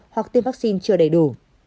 hoặc tiêm vaccine chưa đầy đủ